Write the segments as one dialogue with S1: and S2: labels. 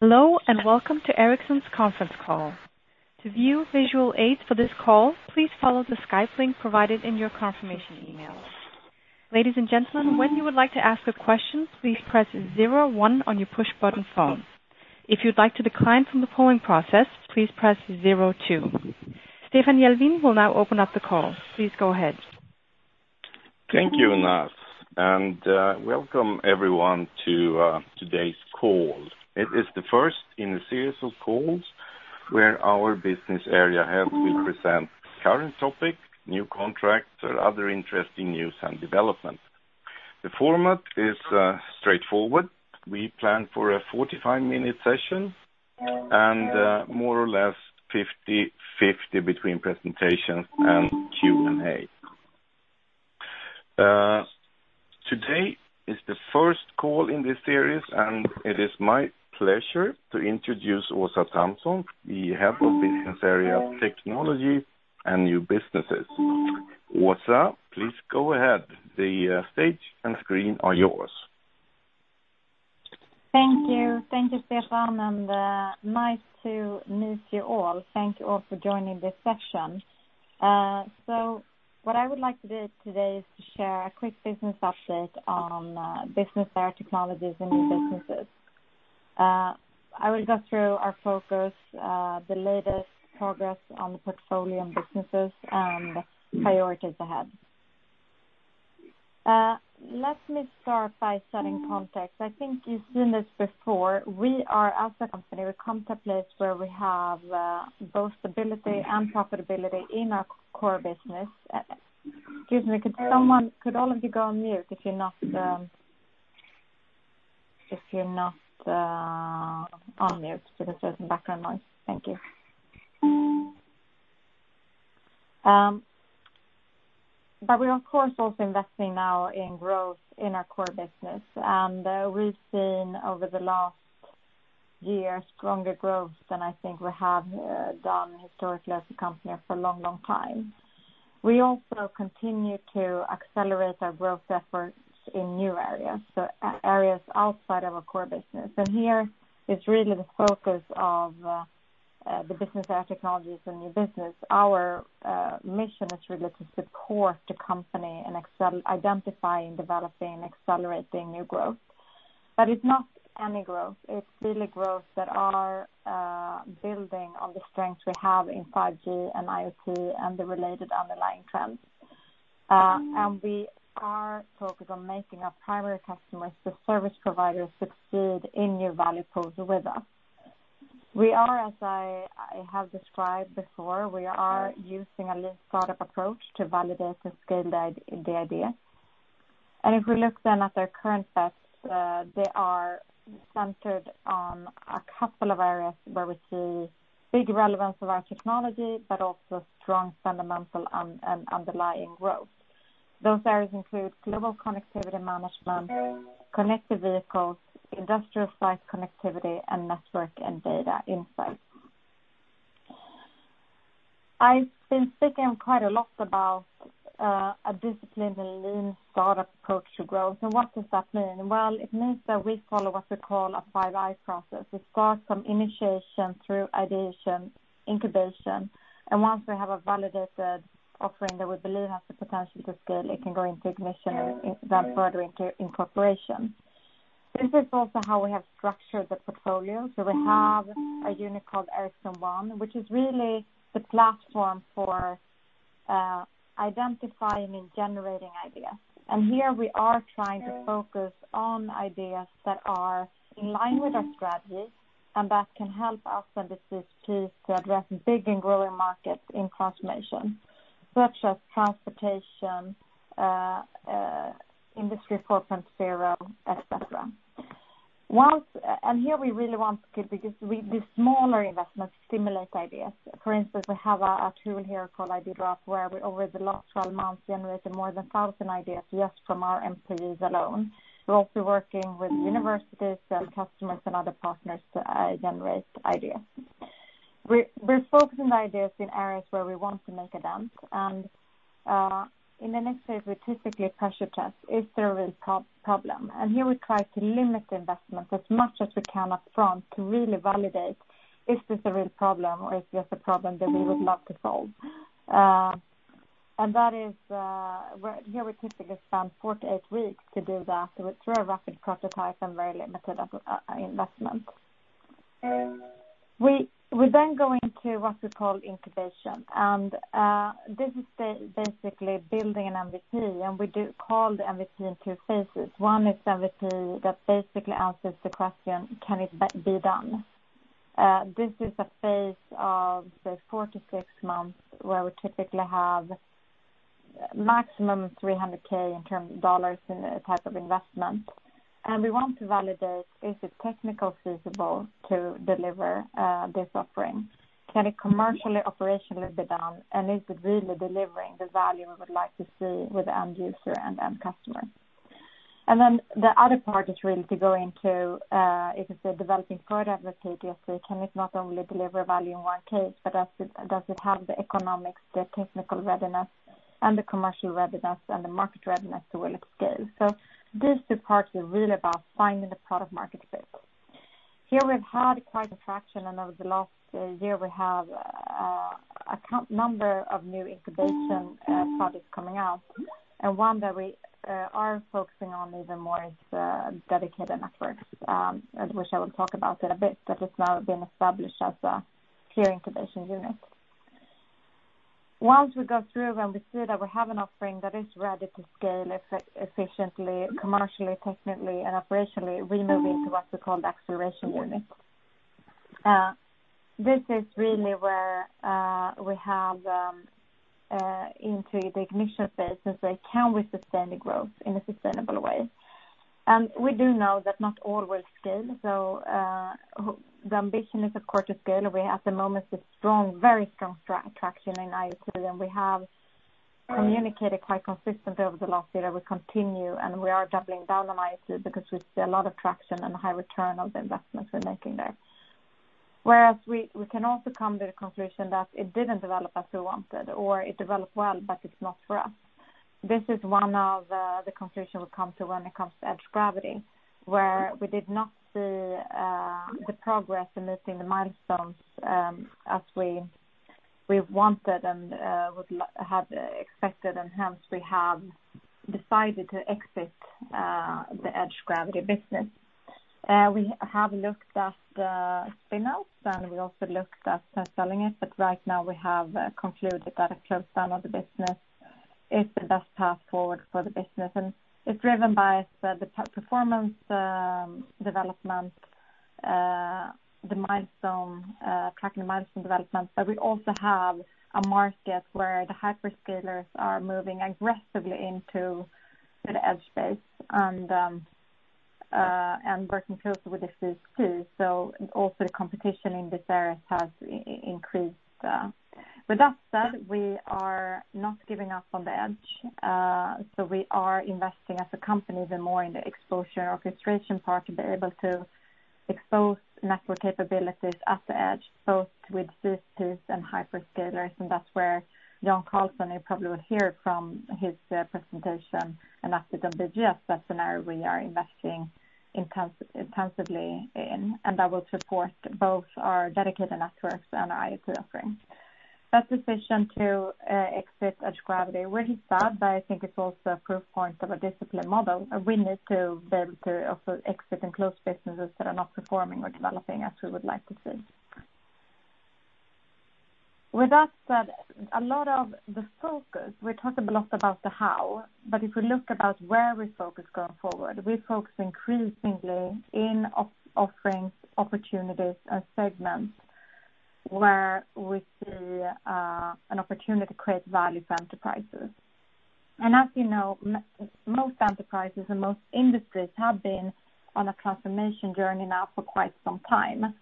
S1: Hello, welcome to Ericsson's conference call. To view visual aids for this call, please follow the Skype link provided in your confirmation email. Ladies and gentlemen, when you would like to ask a question, please press zero one on your push button phone. If you'd like to decline from the polling process, please press zero two. Stefan Jelvin will now open up the call. Please go ahead.
S2: Thank you, Naz, and welcome everyone to today's call. It is the first in a series of calls where our business area heads will present current topics, new contracts, or other interesting news and developments. The format is straightforward. We plan for a 45-minute session and more or less 50/50 between presentations and Q&A. Today is the first call in this series, and it is my pleasure to introduce Åsa Tamsons, the Head of Business Area Technologies and New Businesses. Åsa, please go ahead. The stage and screen are yours.
S3: Thank you. Thank you, Stefan. Nice to meet you all. Thank you all for joining this session. What I would like to do today is to share a quick business update on Business Area Technologies and New Businesses. I will go through our focus, the latest progress on the portfolio and businesses, and priorities ahead. Let me start by setting context. I think you've seen this before. We are, as a company, we come to a place where we have both stability and profitability in our core business. Excuse me, could all of you go on mute if you're not on mute? There's some background noise. Thank you. We're of course, also investing now in growth in our core business. We've seen over the last year, stronger growth than I think we have done historically as a company for a long, long time. We also continue to accelerate our growth efforts in new areas, so areas outside of our core business. Here is really the focus of the Business Area Technologies and New Business. Our mission is really to support the company in identifying, developing, and accelerating new growth. It's not any growth. It's really growth that are building on the strengths we have in 5G and IoT and the related underlying trends. We are focused on making our primary customers, the service providers, succeed in new value pools with us. We are, as I have described before, we are using a lean startup approach to validate and scale the idea. If we look then at our current bets, they are centered on a couple of areas where we see big relevance of our technology, but also strong fundamental and underlying growth. Those areas include global connectivity management, connected vehicles, industrial site connectivity, and network and data insights. I've been speaking quite a lot about a disciplined and lean startup approach to growth, and what does that mean? Well, it means that we follow what we call a five I process. We start from initiation through ideation, incubation, and once we have a validated offering that we believe has the potential to scale, it can go into ignition, then further into incorporation. This is also how we have structured the portfolio. We have a unit called Ericsson ONE, which is really the platform for identifying and generating ideas. Here we are trying to focus on ideas that are in line with our strategy and that can help us and the CSPs to address big and growing markets in transformation, such as transportation, Industry 4.0, et cetera. Here we really want to give, because these smaller investments stimulate ideas. For instance, we have a tool here called Idea Drop, where we, over the last 12 months, generated more than 1,000 ideas just from our employees alone. We're also working with universities and customers and other partners to generate ideas. We're focusing ideas in areas where we want to make a dent, and in the next phase, we typically pressure test, is there a real problem? Here we try to limit the investment as much as we can up front to really validate, is this a real problem or is this a problem that we would love to solve? Here we typically spend four to eight weeks to do that through a rapid prototype and very limited investment. We go into what we call incubation. This is basically building an MVP. We call the MVP in two phases. One is MVP that basically answers the question: Can it be done? This is a phase of, say, four to six months, where we typically have maximum $300,000 in terms of dollars in type of investment. We want to validate, is it technically feasible to deliver this offering? Can it commercially, operationally be done? Is it really delivering the value we would like to see with the end user and end customer? The other part is really to go into, like I said, developing product MVP. Can it not only deliver value in one case, does it have the economics, the technical readiness, and the commercial readiness, and the market readiness to really scale? These two parts are really about finding the product market fit. Here we've had quite a traction, and over the last year we have a number of new incubation projects coming out, and one that we are focusing on even more is Ericsson Dedicated Networks, which I will talk about in a bit, but it's now been established as a clear incubation unit. Once we go through and we see that we have an offering that is ready to scale efficiently, commercially, technically, and operationally, we move into what we call the acceleration unit. This is really where we have into the ignition phase, since they can withstand the growth in a sustainable way. We do know that not all will scale. The ambition is of course to scale. We at the moment, have a very strong traction in IoT, and we have communicated quite consistently over the last year that we continue, and we are doubling down on IoT because we see a lot of traction and a high return on the investments we're making there. Whereas we can also come to the conclusion that it didn't develop as we wanted, or it developed well, but it's not for us. This is one of the conclusions we come to when it comes to Edge Gravity, where we did not see the progress in meeting the milestones as we wanted and had expected, and hence we have decided to exit the Edge Gravity business. We have looked at spin-outs, and we also looked at selling it, but right now we have concluded that a close down of the business is the best path forward for the business. It's driven by the performance development, tracking the milestone development. We also have a market where the hyperscalers are moving aggressively into the edge space and working closely with the systems too. Also the competition in this area has increased. With that said, we are not giving up on the edge. We are investing as a company even more in the exposure and orchestration part, to be able to expose network capabilities at the edge, both with systems and hyperscalers. That's where Jan Karlsson, you probably will hear from his presentation and after the DS webinar, we are investing intensively in, and that will support both our Dedicated Networks and IoT offering. That decision to exit Edge Gravity, really sad, but I think it's also a proof point of a discipline model, and we need to be able to also exit and close businesses that are not performing or developing as we would like to see. With that said, a lot of the focus, we talked a lot about the how, but if we look about where we focus going forward, we focus increasingly in offerings, opportunities and segments where we see an opportunity to create value for enterprises. As you know, most enterprises and most industries have been on a transformation journey now for quite some time,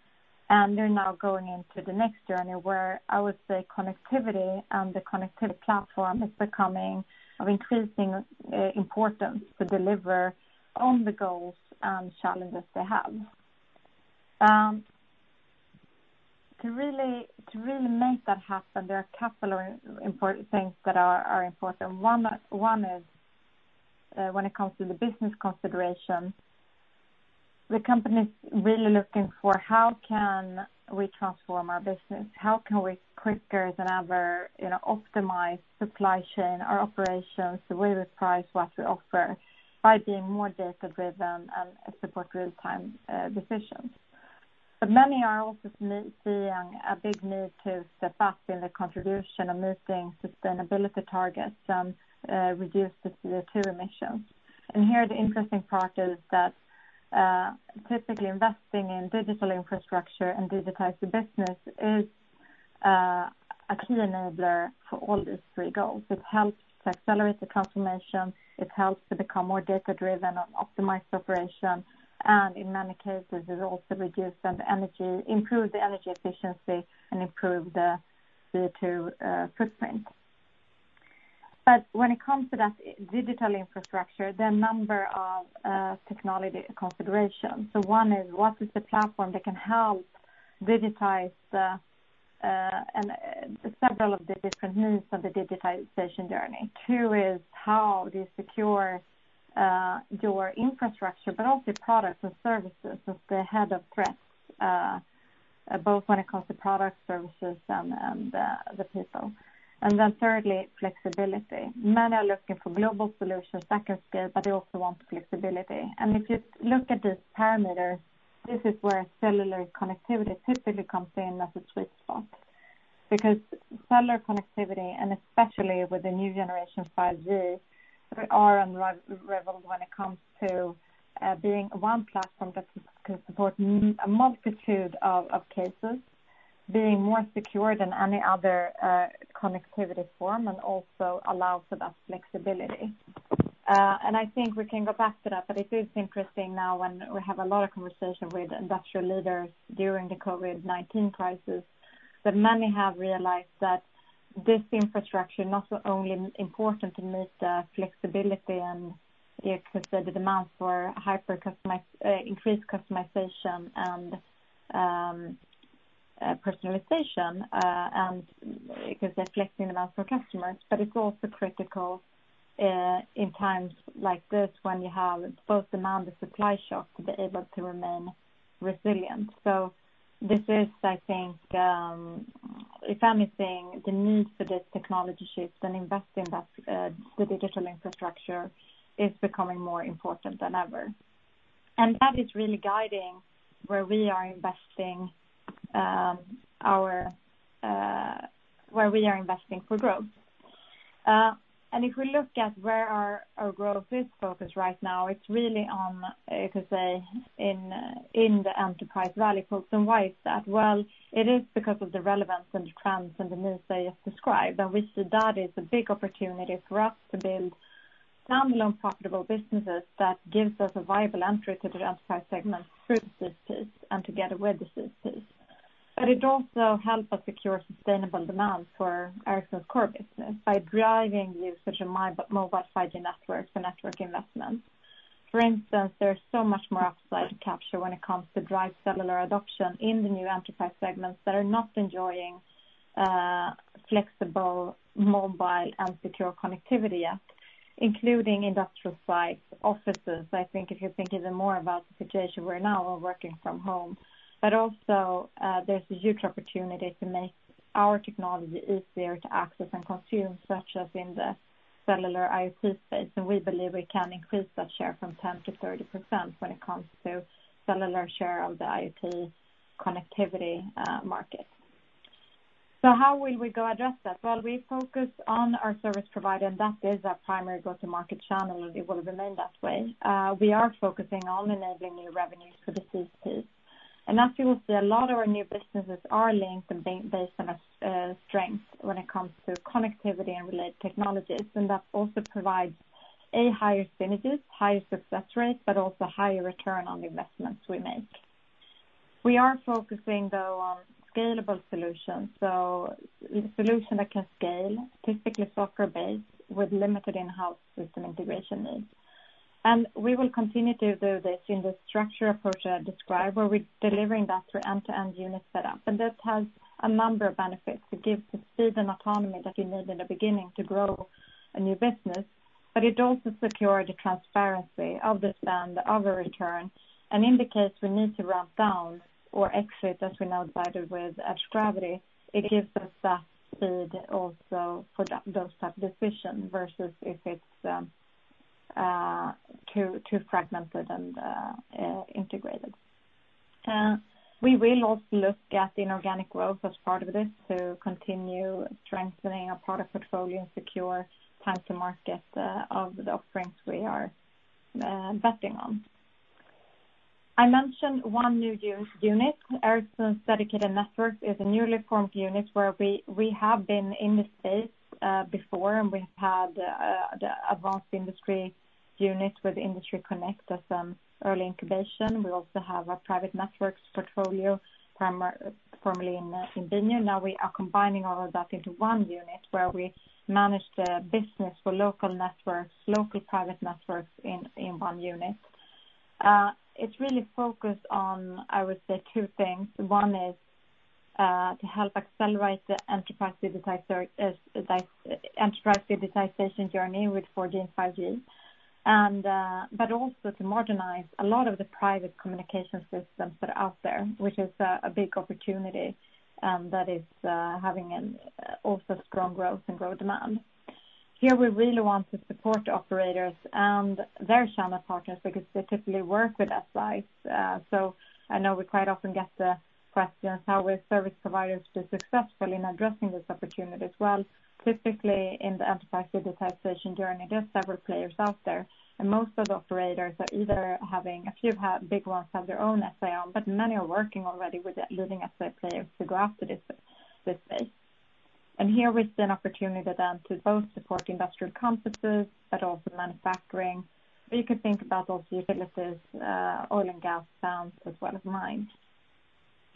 S3: and they're now going into the next journey where I would say connectivity and the connectivity platform is becoming of increasing importance to deliver on the goals and challenges they have. To really make that happen, there are a couple of important things that are important. One is, when it comes to the business consideration, the company's really looking for how can we transform our business? How can we quicker than ever optimize supply chain, our operations, the way we price what we offer by being more data-driven and support real-time decisions? Many are also seeing a big need to step up in the contribution of meeting sustainability targets and reduce the CO2 emissions. Here the interesting part is that, typically investing in digital infrastructure and digitizing business is a key enabler for all these three goals. It helps to accelerate the transformation, it helps to become more data-driven and optimize operation, and in many cases, it also improves the energy efficiency and improve the CO2 footprint. When it comes to that digital infrastructure, there are a number of technology considerations. One is, what is the platform that can help digitize several of the different needs of the digitization journey. Two is, how do you secure your infrastructure, but also products and services as the bedrock both when it comes to product services and the people. Thirdly, flexibility. Many are looking for global solutions that can scale, but they also want flexibility. If you look at this parameter, this is where cellular connectivity typically comes in as a sweet spot. Cellular connectivity, and especially with the new generation 5G, we are unrivaled when it comes to being one platform that can support a multitude of cases, being more secure than any other connectivity form and also allows for that flexibility. I think we can go back to that. It is interesting now when we have a lot of conversation with industrial leaders during the COVID-19 crisis, that many have realized that this infrastructure is not only important to meet the flexibility and the demand for increased customization and personalization, and because they're flexing demand for customers. It's also critical in times like this when you have both demand and supply shock to be able to remain resilient. This is, I think, if I'm missing the need for this technology shift, then investing that the digital infrastructure is becoming more important than ever. That is really guiding where we are investing for growth. If we look at where our growth is focused right now, it's really on, you could say, in the enterprise value props and why is that? Well, it is because of the relevance and the trends and the moves I just described. We see that as a big opportunity for us to build standalone profitable businesses that gives us a viable entry to the enterprise segment through the CSPs and together with the CSPs. It also helps us secure sustainable demand for Ericsson's core business by driving usage of mobile 5G networks and network investments. For instance, there's so much more upside to capture when it comes to drive cellular adoption in the new enterprise segments that are not enjoying flexible mobile and secure connectivity yet, including industrial sites, offices. I think if you think even more about the situation we're now working from home. Also, there's a huge opportunity to make our technology easier to access and consume, such as in the cellular IoT space. We believe we can increase that share from 10%-30% when it comes to cellular share of the IoT connectivity market. How will we go address that? Well, we focus on our service provider, and that is our primary go-to-market channel, and it will remain that way. We are focusing on enabling new revenues for the CSPs. As you will see, a lot of our new businesses are linked and based on a strength when it comes to connectivity and related technologies, and that also provides a higher synergies, higher success rate, but also higher return on the investments we make. We are focusing, though, on scalable solutions. Solution that can scale, typically software based with limited in-house system integration needs. We will continue to do this in the structure approach I described, where we're delivering that through end-to-end unit setup. This has a number of benefits. It gives the speed and autonomy that you need in the beginning to grow a new business, but it also secured the transparency of the spend, of the return. In the case we need to ramp down or exit, as we now did with Edge Gravity, it gives us that speed also for those type of decisions, versus if it's too fragmented and integrated. We will also look at inorganic growth as part of this to continue strengthening our product portfolio and secure time to market of the offerings we are betting on. I mentioned one new unit, Ericsson Dedicated Networks is a newly formed unit where we have been in this space before, and we've had advanced industry units with Industry Connect as early incubation. We also have a private networks portfolio, formerly in BNEW. Now we are combining all of that into one unit where we manage the business for local networks, local private networks in one unit. It's really focused on, I would say, two things. One is to help accelerate the enterprise digitization journey with 4G and 5G. Also to modernize a lot of the private communication systems that are out there, which is a big opportunity that is having also strong growth and grow demand. Here we really want to support operators and their channel partners because they typically work with SI. I know we quite often get the questions how will service providers do successfully in addressing this opportunity as well. Typically, in the enterprise digitization journey, there are several players out there, and most of the operators are either having a few big ones have their own SI, but many are working already with leading SI players to go after this space. Here we see an opportunity then to both support industrial campuses, but also manufacturing. You could think about also utilities, oil and gas plants as well as mines.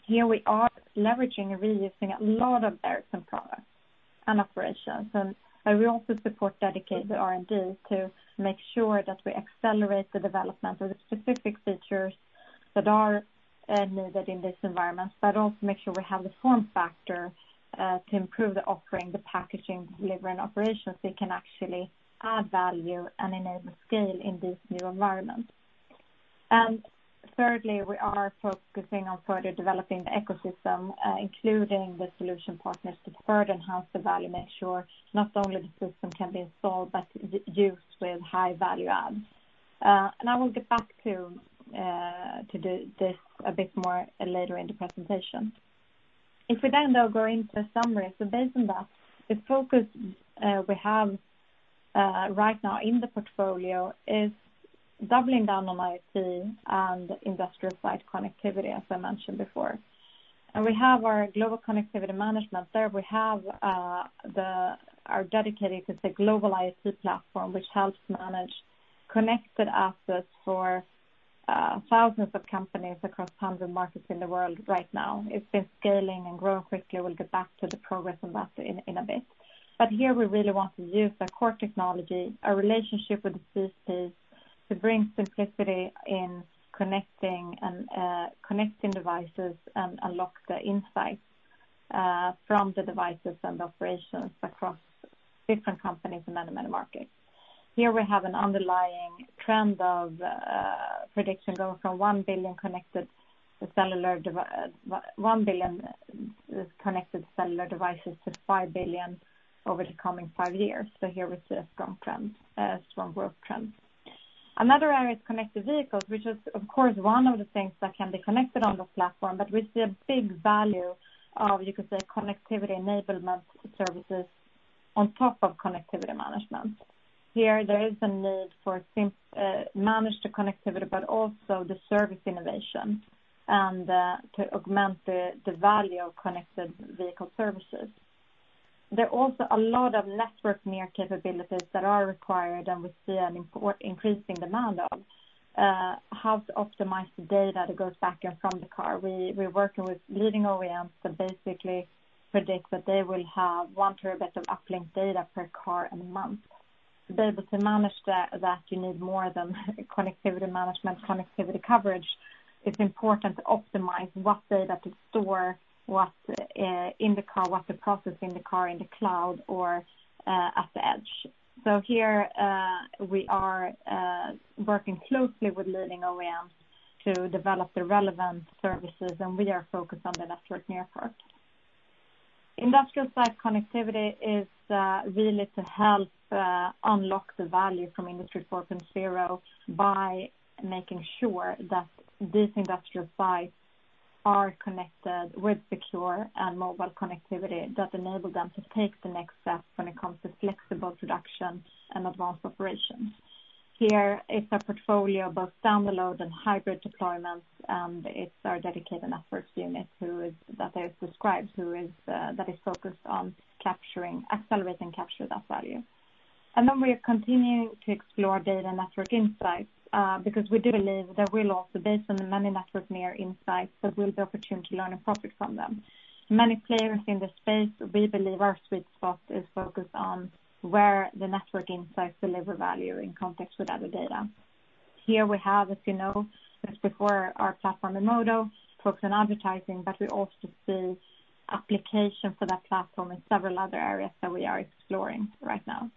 S3: Here we are leveraging and reusing a lot of Ericsson products and operations, and we also support dedicated R&D to make sure that we accelerate the development of the specific features that are needed in this environment, but also make sure we have the form factor to improve the offering, the packaging, delivery, and operations so it can actually add value and enable scale in this new environment. Thirdly, we are focusing on further developing the ecosystem, including the solution partners to further enhance the value, make sure not only the system can be installed, but used with high-value adds. I will get back to this a bit more later in the presentation. We now go into the summary. Based on that, the focus we have right now in the portfolio is doubling down on IoT and industrial site connectivity, as I mentioned before. We have our global connectivity management there. We have our dedicated, it's a global IoT platform which helps manage connected assets for thousands of companies across hundreds of markets in the world right now. It's been scaling and growing quickly. We'll get back to the progress on that in a bit. Here we really want to use our core technology, our relationship with the CSPs to bring simplicity in connecting devices and unlock the insights from the devices and operations across different companies in many markets. Here we have an underlying trend of prediction going from one billion connected cellular devices to five billion over the coming five years. Here we see a strong growth trend. Another area is connected vehicles, which is of course one of the things that can be connected on the platform, but we see a big value of, you could say, connectivity enablement services on top of connectivity management. Here, there is a need for managed connectivity, but also the service innovation and to augment the value of connected vehicle services. There are also a lot of network-near capabilities that are required, and we see an increasing demand of how to optimize the data that goes back and from the car. We're working with leading OEMs that basically predict that they will have one terabit of uplink data per car in a month. To be able to manage that, you need more than connectivity management, connectivity coverage. It's important to optimize what data to store, what's in the car, what to process in the car, in the cloud, or at the edge. Here, we are working closely with leading OEMs to develop the relevant services, and we are focused on the network-near part. Industrial site connectivity is really to help unlock the value from Industry 4.0 by making sure that these industrial sites are connected with secure and mobile connectivity that enable them to take the next step when it comes to flexible production and advanced operations. Here is a portfolio of both standalone and hybrid deployments, and it's our Dedicated Networks unit that I have described, that is focused on accelerating capture of that value. We are continuing to explore data network insights, because we do believe there will also, based on the many network near insights, there will be opportunity to learn and profit from them. Many players in this space, we believe our sweet spot is focused on where the network insights deliver value in context with other data. Here we have, as you know, before our platform Emodo, focused on advertising, but we also see application for that platform in several other areas that we are exploring right now.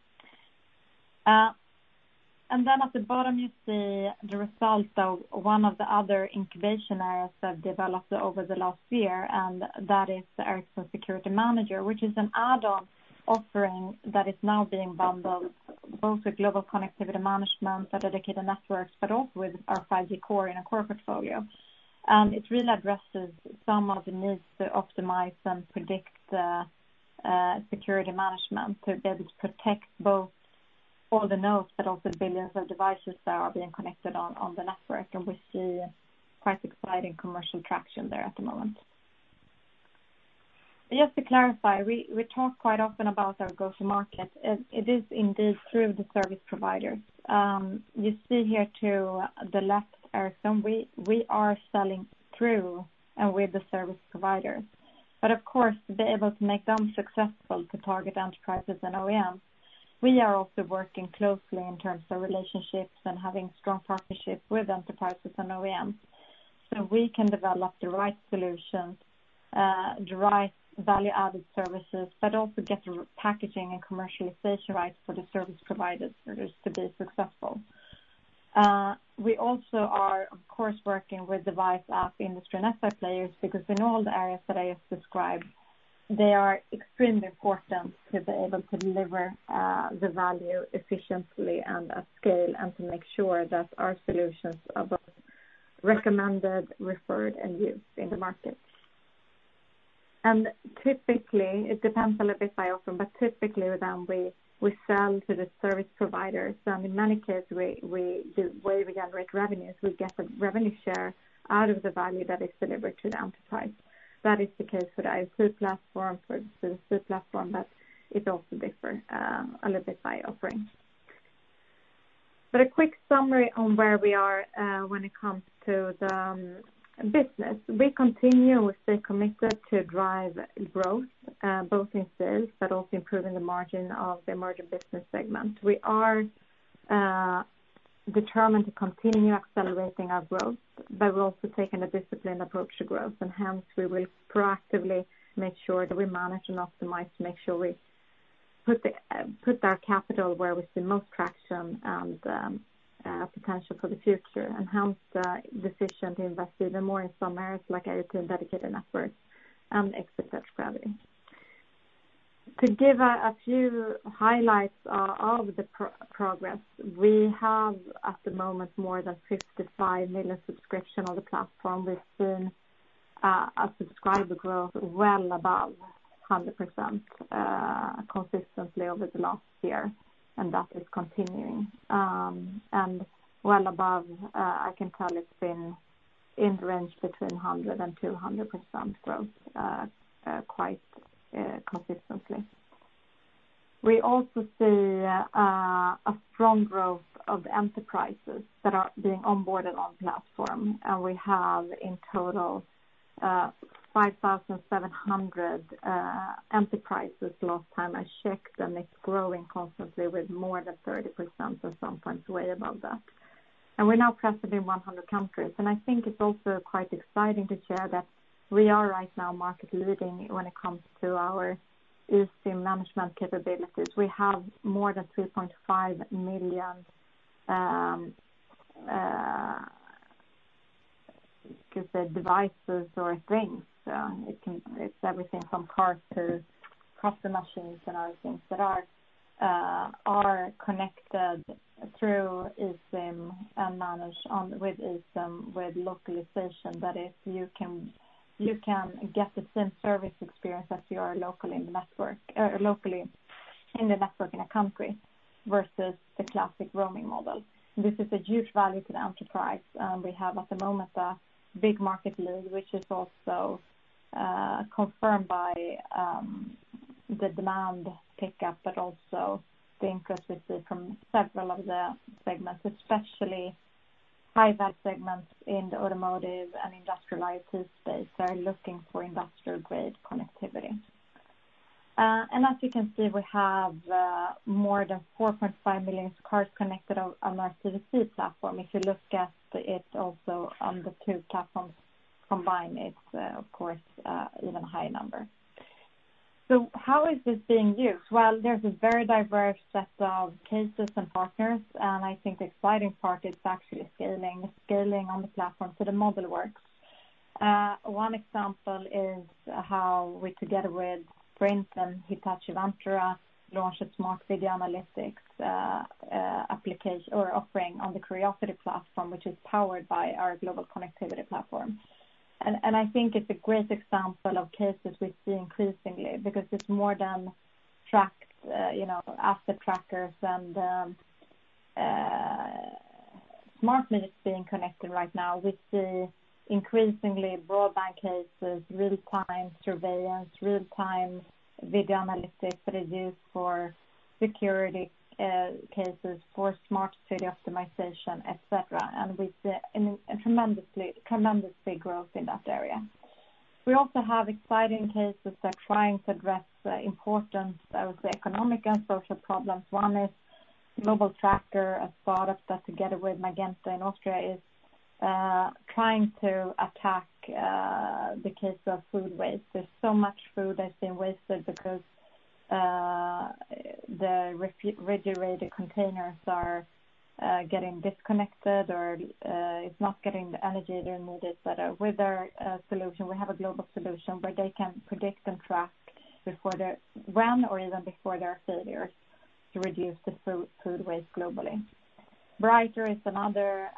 S3: At the bottom, you see the result of one of the other incubation areas that developed over the last year, and that is the Ericsson Security Manager, which is an add-on offering that is now being bundled both with global connectivity management and dedicated networks, but also with our 5G core in our core portfolio. It really addresses some of the needs to optimize and predict the security management to be able to protect both all the nodes, but also billions of devices that are being connected on the network. We see quite exciting commercial traction there at the moment. Just to clarify, we talk quite often about our go-to-market. It is indeed through the service providers. You see here to the left, Ericsson, we are selling through and with the service providers. Of course, to be able to make them successful to target enterprises and OEMs, we are also working closely in terms of relationships and having strong partnerships with enterprises and OEMs. We can develop the right solutions, the right value-added services, but also get the packaging and commercialization rights for the service providers to be successful. We also are, of course, working with device, app, industry and asset players, because in all the areas that I have described, they are extremely important to be able to deliver the value efficiently and at scale and to make sure that our solutions are both recommended, referred, and used in the market. Typically, it depends a little bit by offering, but typically with them, we sell to the service provider. In many cases, the way we generate revenue is we get a revenue share out of the value that is delivered to the enterprise. That is the case for the IoT platform, for the CSPs, but it also differs a little bit by offering. A quick summary on where we are when it comes to the business. We stay committed to drive growth, both in sales, but also improving the margin of the emerging business segment. We are determined to continue accelerating our growth, but we're also taking a disciplined approach to growth, and hence we will proactively make sure that we manage and optimize to make sure we put our capital where we see most traction and potential for the future. Hence, efficiently invest even more in some areas like IoT and dedicated networks and exit Edge Gravity. To give a few highlights of the progress, we have at the moment more than 55 million subscription on the platform. We've seen a subscriber growth well above 100% consistently over the last year, that is continuing. Well above, I can tell it's been in the range between 100% and 200% growth quite consistently. We also see a strong growth of enterprises that are being onboarded on platform. We have in total 5,700 enterprises last time I checked, it's growing constantly with more than 30% and sometimes way above that. We're now present in 100 countries. I think it's also quite exciting to share that we are right now market leading when it comes to our eSIM management capabilities. We have more than 2.5 million, could say devices or things. It's everything from cars to coffee machines and other things that are connected through eSIM and managed with eSIM with localization. That is, you can get the same service experience as you are locally in the network in a country versus the classic roaming model. This is a huge value to the enterprise, and we have at the moment a big market lead, which is also confirmed by the demand pickup, but also the interest we see from several of the segments, especially high-value segments in the automotive and industrialized space that are looking for industrial-grade connectivity. As you can see, we have more than 4.5 million cars connected on our CVC platform. If you look at it also on the two platforms combined, it's of course, an even higher number. How is this being used? There's a very diverse set of cases and partners, and I think the exciting part is actually scaling on the platform so the model works. One example is how we, together with Sprint and Hitachi Vantara, launched a smart video analytics offering on the Curiosity platform, which is powered by our global connectivity platform. I think it's a great example of cases we see increasingly because it's more than asset trackers and smart meters being connected right now. We see increasingly broadband cases, real-time surveillance, real-time video analytics that are used for security cases, for smart city optimization, et cetera. We see a tremendous big growth in that area. We also have exciting cases that are trying to address the importance of the economic and social problems. One is Mobile Tracker, a product that, together with Magenta Telekom in Austria, is trying to attack the case of food waste. There's so much food that's being wasted because the refrigerated containers are getting disconnected or it's not getting the energy they needed. With our solution, we have a global solution where they can predict and track when or even before there are failures to reduce the food waste globally. Brighter is another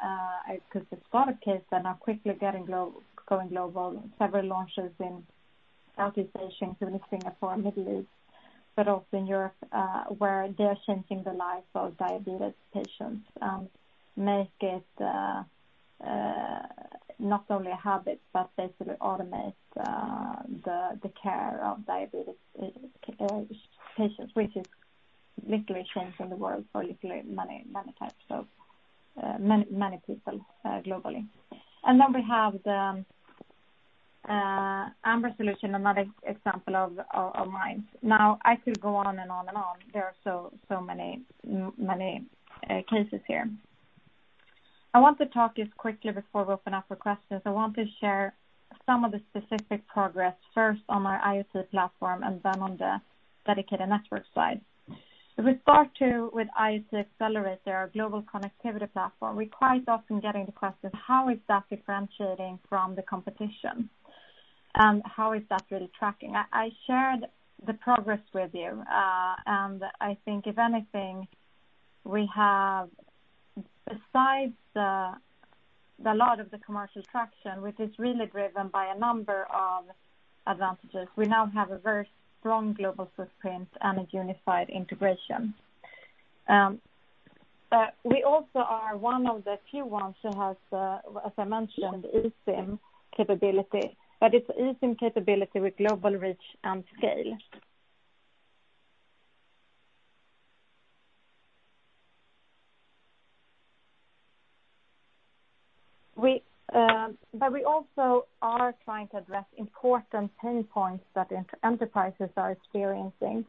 S3: specific product case and are quickly going global. Several launches in Southeast Asia, including Singapore and Middle East, but also in Europe, where they're changing the life of diabetes patients and make it not only a habit, but they sort of automate the care of diabetes patients, which is literally changing the world for literally many people globally. We have the Ambra Solutions, another example of ours. I could go on and on and on. There are so many cases here. I want to talk just quickly before we open up for questions. I want to share some of the specific progress, first on our IoT platform and then on the dedicated network side. We start with IoT Accelerator, our global connectivity platform, we're quite often getting the question, how is that differentiating from the competition? How is that really tracking? I shared the progress with you, I think if anything, we have besides a lot of the commercial traction, which is really driven by a number of advantages, we now have a very strong global footprint and a unified integration. We also are one of the few ones who has, as I mentioned, eSIM capability, it's eSIM capability with global reach and scale. We also are trying to address important pain points that enterprises are experiencing.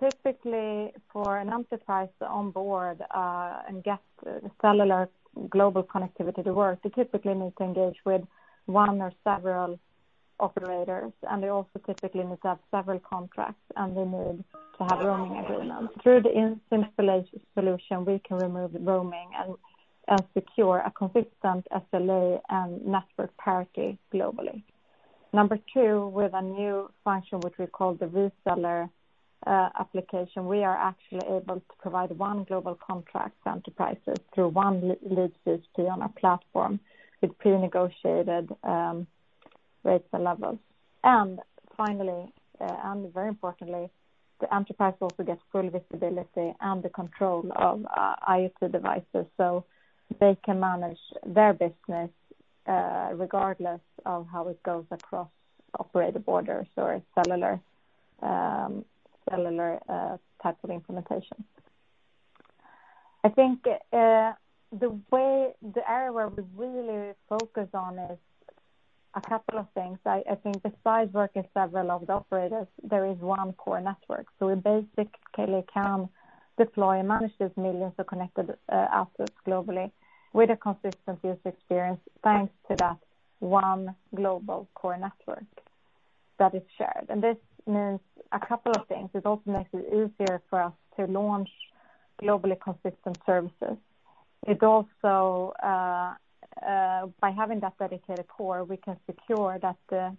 S3: Typically, for an enterprise to onboard and get cellular global connectivity to work, they typically need to engage with one or several operators, and they also typically need to have several contracts, and they need to have roaming agreements. Through the eSIM solution, we can remove the roaming and secure a consistent SLA and network parity globally. Number two, with a new function, which we call the Reseller Application, we are actually able to provide one global contract to enterprises through one legal entity on our platform with pre-negotiated rates and levels. Finally, and very importantly, the enterprise also gets full visibility and the control of IoT devices so they can manage their business regardless of how it goes across operator borders or cellular type of implementation. I think the area where we really focus on is a couple of things. I think besides working with several of the operators, there is one core network. We basically can deploy and manage these millions of connected assets globally with a consistent user experience thanks to that one global core network that is shared. This means a couple of things. It also makes it easier for us to launch globally consistent services. By having that dedicated core, we can secure that the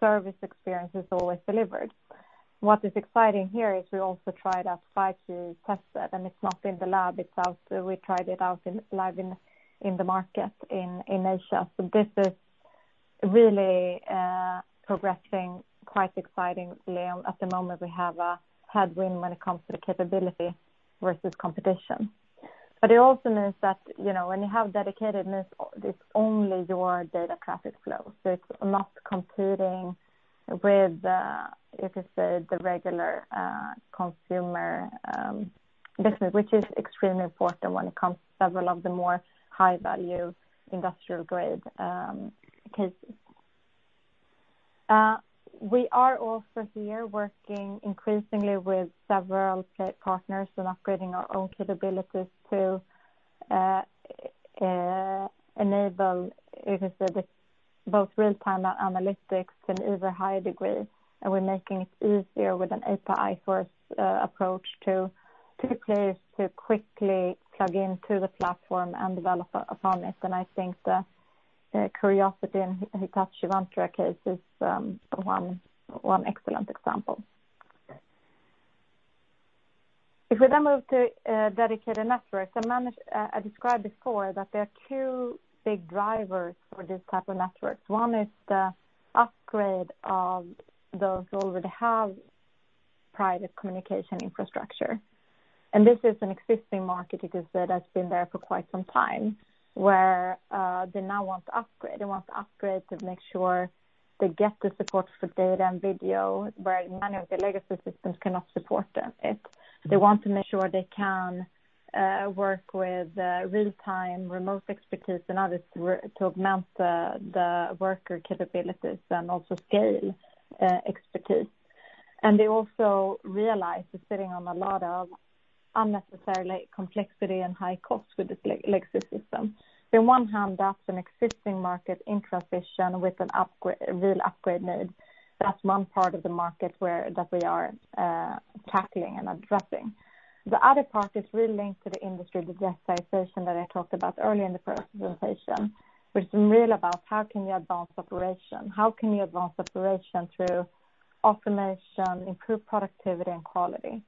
S3: service experience is always delivered. What is exciting here is we also tried our 5G test bed, and it's not in the lab, we tried it out live in the market in Asia. This is really progressing, quite exciting. At the moment, we have a head start when it comes to the capability versus competition. It also means that when you have dedicated links, it's only your data traffic flow, so it's not competing with the, you could say, the regular consumer business, which is extremely important when it comes to several of the more high-value industrial-grade cases. We are also here working increasingly with several partners and upgrading our own capabilities to enable both real-time analytics and over higher degree. We're making it easier with an API-first approach to players to quickly plug into the platform and develop upon it. I think the Curiosity and Hitachi Vantara case is one excellent example. If we then move to dedicated networks, I described before that there are two big drivers for this type of networks. One is the upgrade of those who already have private communication infrastructure. This is an existing market, you could say, that's been there for quite some time, where they now want to upgrade. They want to upgrade to make sure they get the support for data and video, where many of the legacy systems cannot support it. They want to make sure they can work with real-time remote expertise and others to augment the worker capabilities and also scale expertise. They also realize they're sitting on a lot of unnecessary complexity and high costs with this legacy system. On one hand, that's an existing market in transition with a real upgrade need. That's one part of the market that we are tackling and addressing. The other part is really linked to the industry digitization that I talked about earlier in the presentation, which is really about how can you advance operation? How can you advance operation through automation, improve productivity and quality?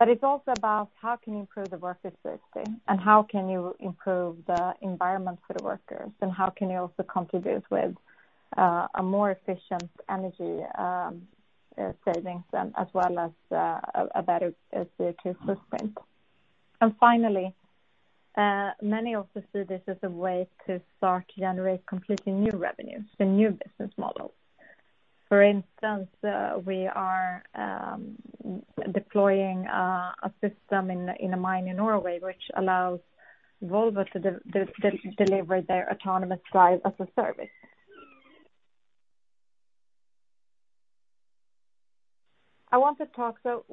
S3: It's also about how can you improve the worker safety, and how can you improve the environment for the workers, and how can you also contribute with a more efficient energy savings and as well as a better CO2 footprint. Finally, many also see this as a way to start to generate completely new revenues, so new business models. For instance, we are deploying a system in a mine in Norway, which allows Volvo to deliver their autonomous drive as a service. I want to talk, you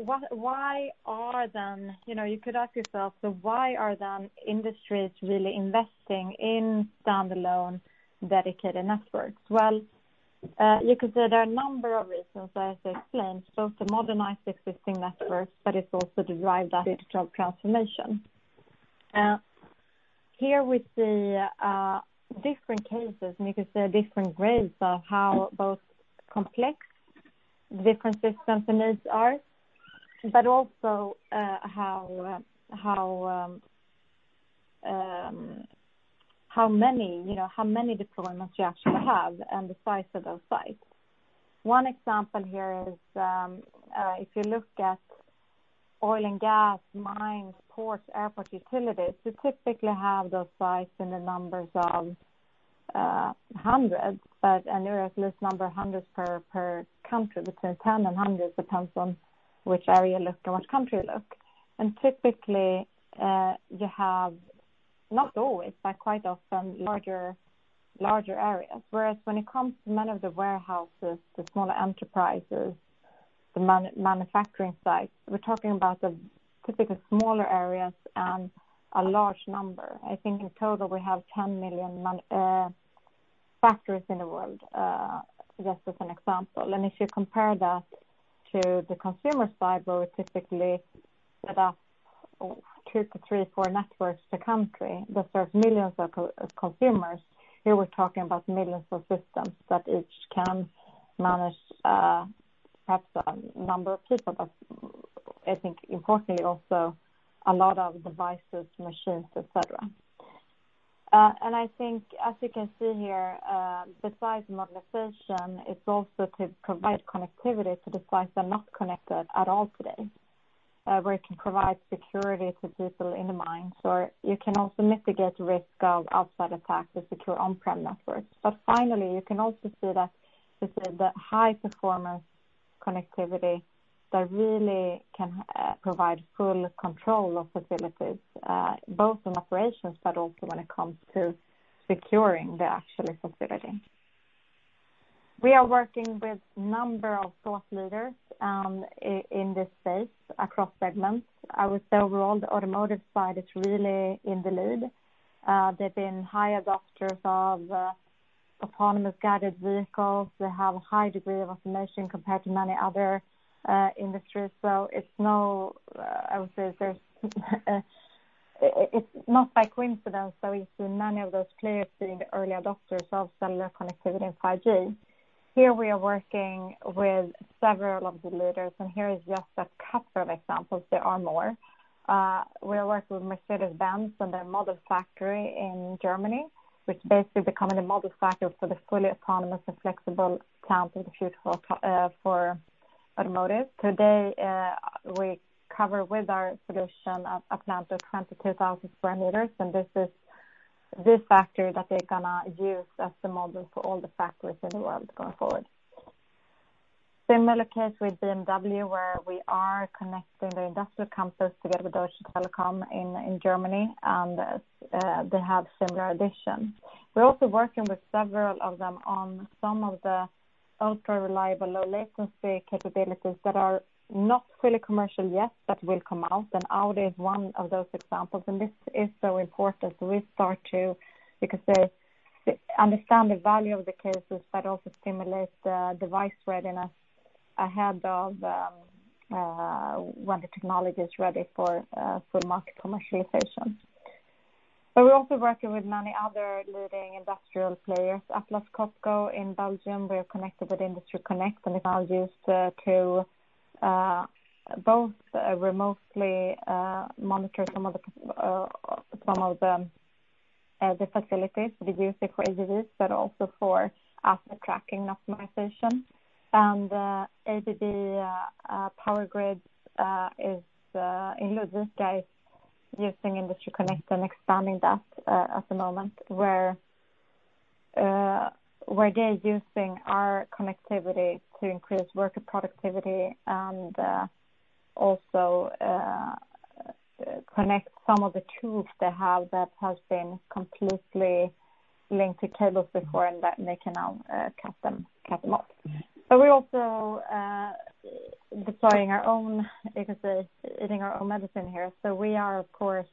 S3: could ask yourself, why are the industries really investing in standalone dedicated networks? Well, you could say there are a number of reasons, as I explained, both to modernize existing networks, it's also to drive digital transformation. Here we see different cases, and you could say different grades of how both complex different systems and needs are, but also how many deployments you actually have and the size of those sites. One example here is if you look at oil and gas, mines, ports, airport utilities, you typically have those sites in the numbers of hundreds. There is less number hundreds per country, between 10 and hundreds, depends on which area you look and which country you look. Typically, you have, not always, but quite often larger areas. Whereas when it comes to many of the warehouses, the smaller enterprises, the manufacturing sites, we're talking about the typically smaller areas and a large number. I think in total, we have 10 million factories in the world, just as an example. If you compare that to the consumer side, where we typically set up two to three, four networks to country that serve millions of consumers, here we're talking about millions of systems that each can manage perhaps a number of people. I think importantly also a lot of devices, machines, et cetera. I think as you can see here, besides modernization, it's also to provide connectivity to the sites that are not connected at all today, where it can provide security to people in the mines, or you can also mitigate risk of outside attacks with secure on-prem networks. Finally, you can also see that high performance connectivity that really can provide full control of facilities, both in operations but also when it comes to securing the actual facility. We are working with number of thought leaders in this space across segments. I would say overall, the automotive side is really in the lead. They've been high adopters of autonomous guided vehicles. They have a high degree of automation compared to many other industries. I would say it's not by coincidence that we see many of those players being the early adopters of cellular connectivity and 5G. Here we are working with several of the leaders, and here is just a couple of examples, there are more. We are working with Mercedes-Benz and their model factory in Germany, which basically becoming a model factory for the fully autonomous and flexible plant in the future for automotive. Today, we cover with our solution, a plant of 22,000 sq m and this is this factory that they're going to use as the model for all the factories in the world going forward. Similar case with BMW, where we are connecting the industrial campus together with Deutsche Telekom in Germany, and they have similar addition. We're also working with several of them on some of the ultra-reliable low latency capabilities that are not fully commercial yet, but will come out, and Audi is one of those examples, and this is so important because they understand the value of the cases, but also stimulate the device readiness ahead of when the technology is ready for market commercialization. We're also working with many other leading industrial players. Atlas Copco in Belgium, we are connected with Industry Connect, and it's now used to both remotely monitor some of the facilities they're using for AGVs, but also for asset tracking optimization. ABB Power Grids is in Ludvika using Industry Connect and expanding that at the moment, where they're using our connectivity to increase worker productivity and also connect some of the tools they have that has been completely linked to cables before and that they can now cut them off. We're also deploying our own, you can say, eating our own medicine here. We are, of course,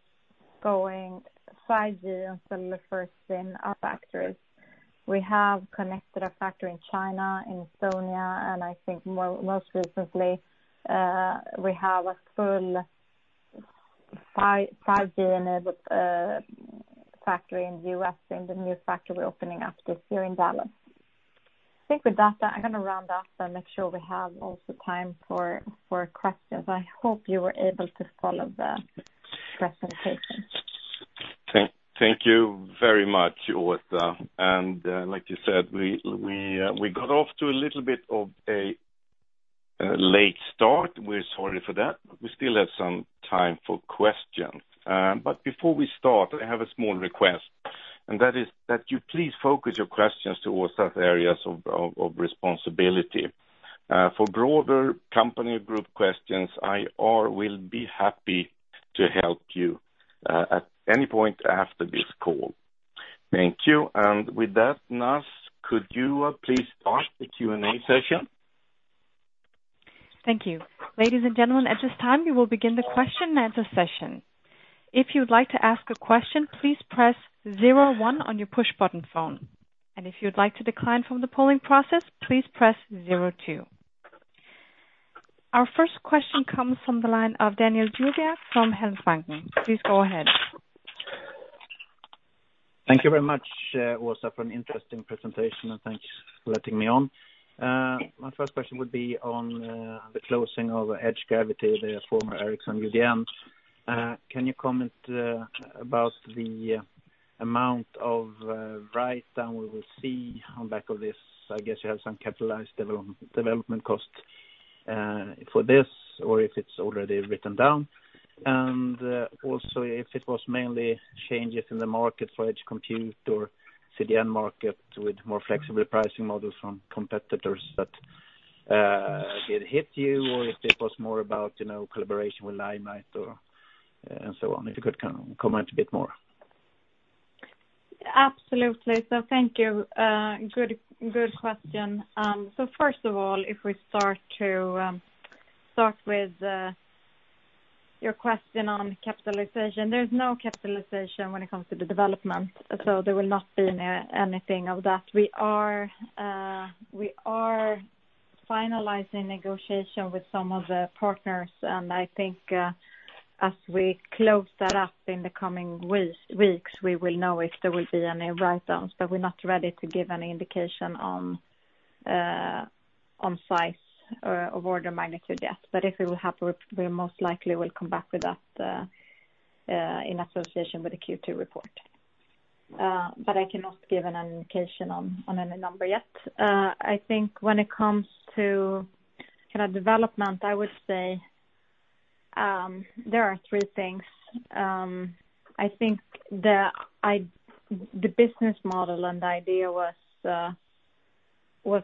S3: going 5G and cellular first in our factories. We have connected a factory in China, in Estonia, and I think most recently, we have a full 5G enabled factory in the U.S., in the new factory we're opening up this year in Dallas. I think with that, I'm going to round up and make sure we have also time for questions. I hope you were able to follow the presentation.
S2: Thank you very much, Åsa. Like you said, we got off to a little bit of a late start. We're sorry for that. We still have some time for questions. Before we start, I have a small request, and that is that you please focus your questions towards Åsa's areas of responsibility. For broader company group questions, I or will be happy to help you at any point after this call. Thank you. With that, Naz, could you please start the Q&A session?
S1: Thank you. Ladies and gentlemen, at this time, we will begin the question and answer session. If you'd like to ask a question, please press zero one on your push button phone. If you'd like to decline from the polling process, please press zero two. Our first question comes from the line of Daniel Djurberg from Handelsbanken. Please go ahead.
S4: Thank you very much, Åsa, for an interesting presentation, and thanks for letting me on.
S3: Yes.
S4: My first question would be on the closing of Edge Gravity, the former Ericsson UDN. Can you comment about the amount of write-down we will see on back of this? I guess you have some capitalized development cost, for this or if it's already written down. Also if it was mainly changes in the market for edge compute or CDN market with more flexible pricing models from competitors that did hit you or if it was more about collaboration with Limelight or, and so on. If you could comment a bit more.
S3: Absolutely. Thank you. Good question. First of all, if we start with your question on capitalization. There's no capitalization when it comes to the development. There will not be anything of that. We are finalizing negotiation with some of the partners, and I think, as we close that up in the coming weeks, we will know if there will be any write-downs, but we're not ready to give any indication on size or order of magnitude yet. If we will have, we most likely will come back with that, in association with the Q2 report. I cannot give an indication on any number yet. I think when it comes to development, I would say, there are three things. I think the business model and the idea was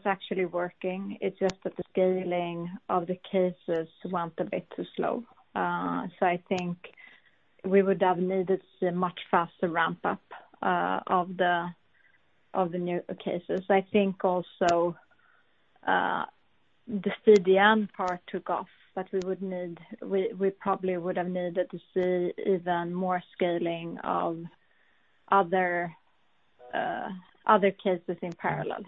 S3: actually working. It's just that the scaling of the cases went a bit too slow. I think we would have needed a much faster ramp-up of the new cases. I think also the CDN part took off, but we probably would have needed to see even more scaling of other cases in parallel.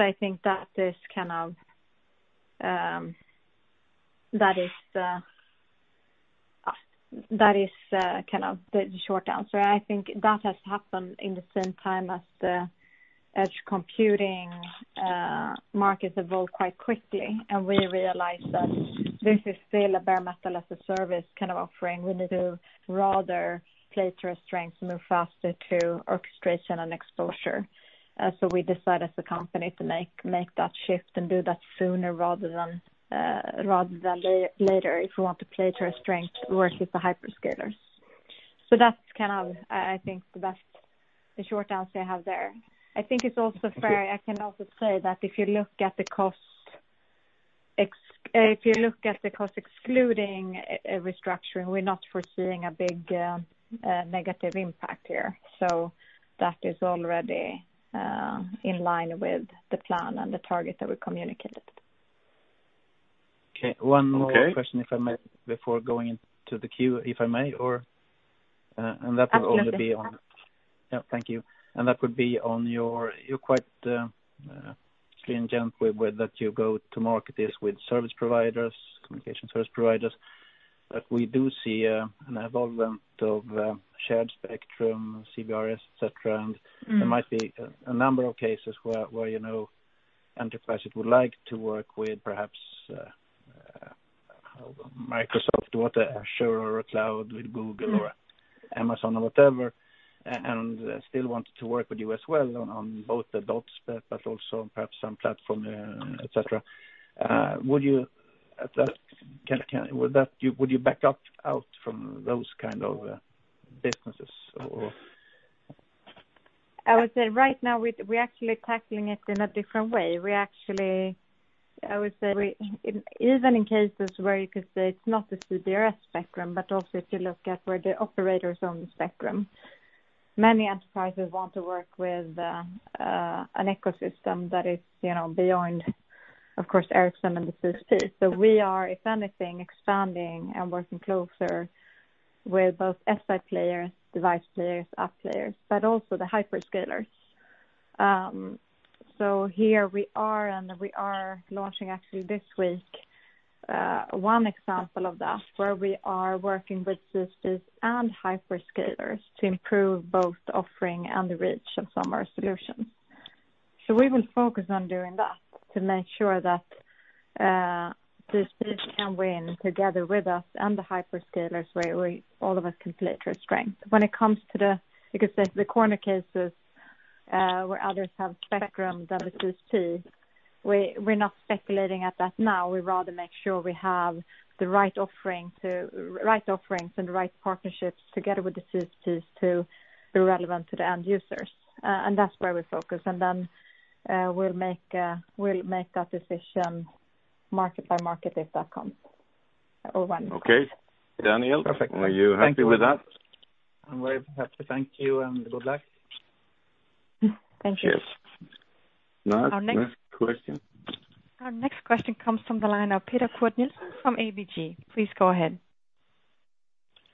S3: I think that is the short answer. I think that has happened in the same time as the edge computing market evolved quite quickly, and we realized that this is still a bare metal as a service kind of offering. We need to rather play to our strengths, move faster to orchestration and exposure. We decided as a company to make that shift and do that sooner rather than later, if we want to play to our strength to work with the hyperscalers. That's, I think, the best, the short answer I have there. I think it's also fair, I can also say that if you look at the cost excluding a restructuring, we're not foreseeing a big negative impact here. That is already in line with the plan and the target that we communicated.
S4: Okay. One more question, if I may, before going into the queue, if I may?
S3: Absolutely.
S4: Thank you. You're quite clear with that you go to market is with service providers, communication service providers, but we do see an evolvement of shared spectrum, CBRS, et cetera. There might be a number of cases where enterprises would like to work with, perhaps, Microsoft or Azure or a cloud with Google or Amazon or whatever, and still want to work with you as well on both the (nodes), but also perhaps some platform, et cetera. Would you back out from those kind of businesses?
S3: I would say right now, we're actually tackling it in a different way. I would say, even in cases where you could say it's not the CBRS spectrum, but also if you look at where the operators own the spectrum. Many enterprises want to work with an ecosystem that is beyond, of course, Ericsson and the SI. We are, if anything, expanding and working closer with both SI players, device players, app players, but also the hyperscalers. Here we are and we are launching actually this week one example of that, where we are working with systems and hyperscalers to improve both the offering and the reach of some of our solutions. We will focus on doing that to make sure that the system can win together with us and the hyperscalers, where all of us can play to our strength. When it comes to the, you could say, the corner cases, where others have spectrum than the SystemC, we're not speculating at that now. We'd rather make sure we have the right offerings and the right partnerships together with the SystemC to be relevant to the end users. That's where we focus. We'll make that decision market by market if that comes or when it comes.
S2: Okay. Daniel? Perfect. Are you happy with that?
S4: I'm very happy. Thank you, and good luck.
S3: Thank you.
S2: Yes. Next question?
S1: Our next question comes from the line of Peter Kurt Nielsen from ABG. Please go ahead.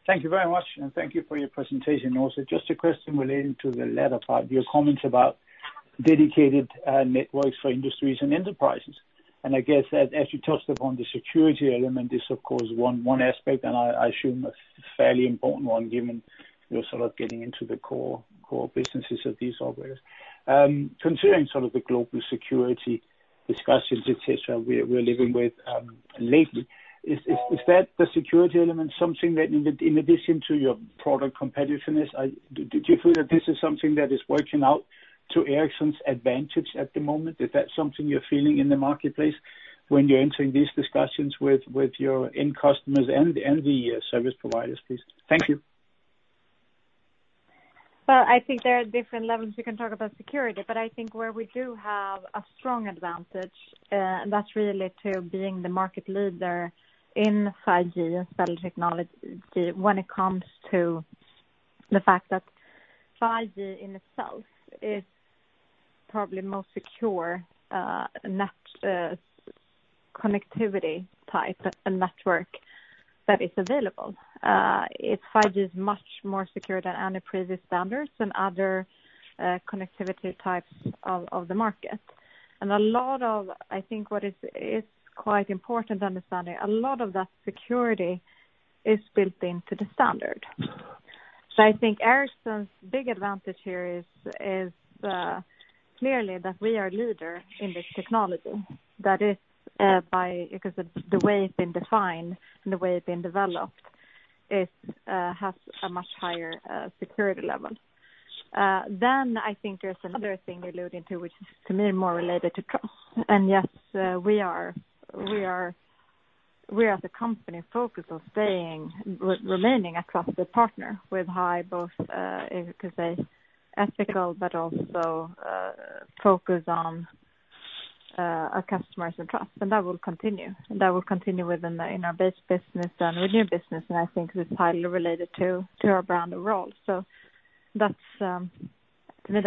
S5: Thank you very much, and thank you for your presentation also. Just a question relating to the latter part, your comments about dedicated networks for industries and enterprises. I guess as you touched upon the security element, this of course one aspect, and I assume a fairly important one, given you're sort of getting into the core businesses of these operators. Considering sort of the global security discussions, et cetera, we're living with lately, is that the security element something that in addition to your product competitiveness, do you feel that this is something that is working out to Ericsson's advantage at the moment? Is that something you're feeling in the marketplace when you're entering these discussions with your end customers and the service providers, please? Thank you.
S3: I think there are different levels you can talk about security, but I think where we do have a strong advantage, and that's really to being the market leader in 5G and cell technology, when it comes to the fact that 5G in itself is probably most secure connectivity type and network that is available. 5G is much more secure than any previous standards and other connectivity types of the market. I think what is quite important understanding, a lot of that security is built into the standard. I think Ericsson's big advantage here is clearly that we are leader in this technology. That is, because the way it's been defined and the way it's been developed. It has a much higher security level. I think there's another thing you're alluding to, which is to me more related to trust. Yes, we as a company focus on remaining a trusted partner with high, both, you could say, ethical but also focus on our customers and trust. That will continue within our base business and with new business, and I think it's highly related to our brand overall. That's something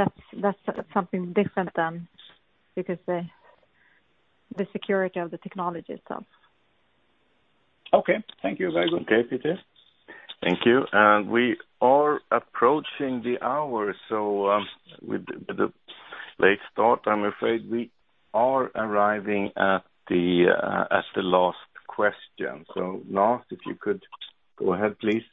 S3: different than, you could say, the security of the technology itself.
S5: Okay. Thank you. Very good.
S2: Okay, Peter. Thank you. We are approaching the hour, so with the late start, I am afraid we are arriving at the last question. Last, if you could go ahead, please.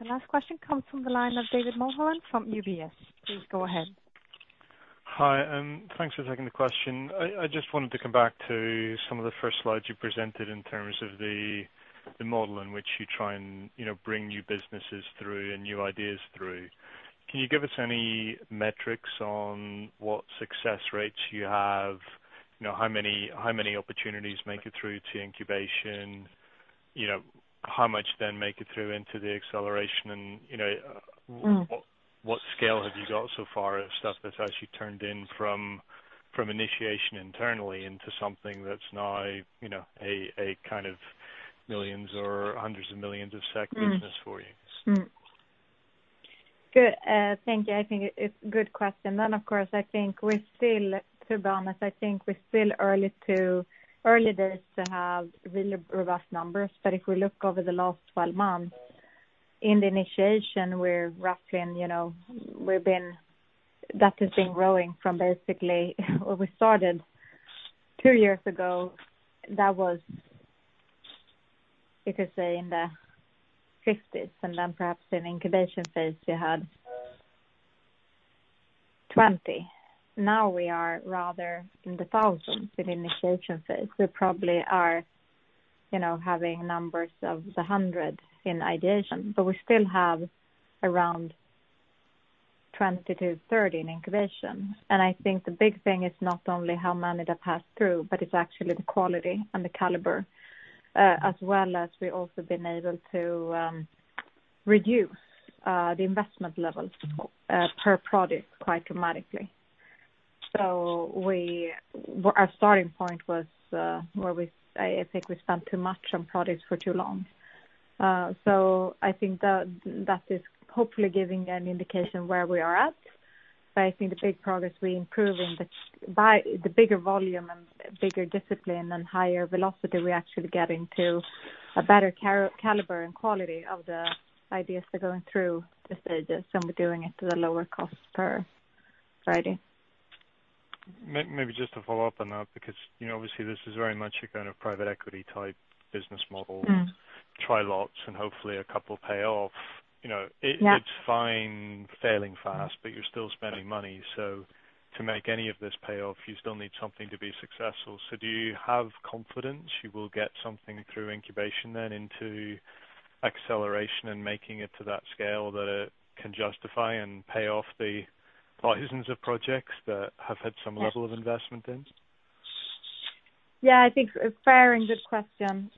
S1: The last question comes from the line of David Mulholland from UBS. Please go ahead.
S6: Hi, thanks for taking the question. I just wanted to come back to some of the first slides you presented in terms of the model in which you try and bring new businesses through and new ideas through. Can you give us any metrics on what success rates you have? How many opportunities make it through to incubation? How much make it through into the acceleration? What scale have you got so far of stuff that's actually turned in from initiation internally into something that's now a kind of millions or hundreds of millions of SEK business for you?
S3: Good. Thank you. I think it's good question. Of course, to be honest, I think we're still early days to have really robust numbers. If we look over the last 12 months in the initiation, we're roughly and, that has been growing from basically where we started two years ago. That was, you could say, in the 60s, and then perhaps in incubation phase, we had 20. Now we are rather in the thousands in initiation phase. We probably are having numbers of the hundreds in ideation, but we still have around 20-30 in incubation. I think the big thing is not only how many that pass through, but it's actually the quality and the caliber, as well as we also been able to reduce the investment level per product quite dramatically. Our starting point was where we, I think we spent too much on products for too long. I think that is hopefully giving an indication where we are at. I think the big progress we improve in the bigger volume and bigger discipline and higher velocity, we actually get into a better caliber and quality of the ideas that are going through the stages, and we're doing it to the lower cost per idea.
S6: Maybe just to follow up on that, because obviously this is very much a kind of private equity type business model. Try lots and hopefully a couple pay off.
S3: Yeah.
S6: It's fine failing fast, but you're still spending money. To make any of this pay off, you still need something to be successful. Do you have confidence you will get something through incubation then into acceleration and making it to that scale that it can justify and pay off the dozens of projects that have had some level of investment in?
S3: Yeah, I think fair and good question.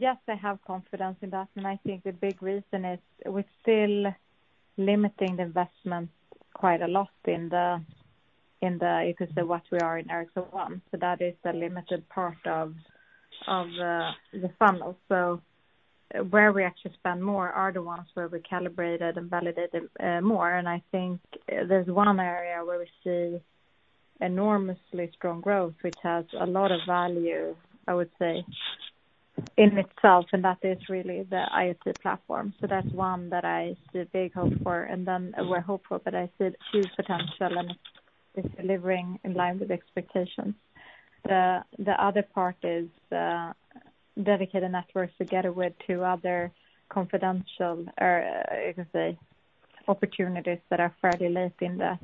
S3: Yes, I have confidence in that, and I think the big reason is we're still limiting the investment quite a lot in the ecosystem, what we are in Ericsson ONE. That is a limited part of the funnel. Where we actually spend more are the ones where we calibrated and validated more. I think there's one area where we see enormously strong growth, which has a lot of value, I would say, in itself, and that is really the IoT platform. That's one that I see big hope for, and then we're hopeful, but I see huge potential and it's delivering in line with expectations. The other part is Dedicated Networks together with two other confidential, or you could say, opportunities that are fairly late in the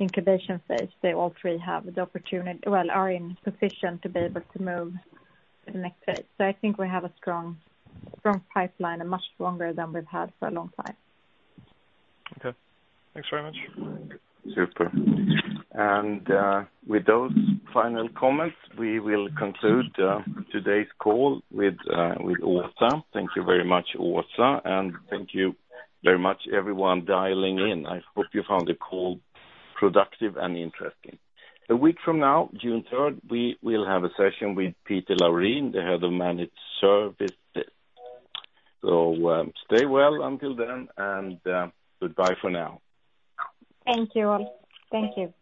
S3: incubation phase. They all three well, are positioned to be able to move to the next phase. I think we have a strong pipeline and much stronger than we've had for a long time.
S6: Okay. Thanks very much.
S2: Super. With those final comments, we will conclude today's call with Åsa. Thank you very much, Åsa, and thank you very much everyone dialing in. I hope you found the call productive and interesting. A week from now, June 3rd, we will have a session with Peter Laurin, the Head of Managed Services. Stay well until then, and goodbye for now.
S3: Thank you all. Thank you.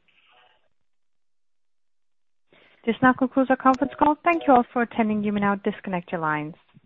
S1: This now concludes our conference call. Thank you all for attending. You may now disconnect your lines.